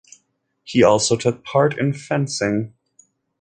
He also took part in fencing.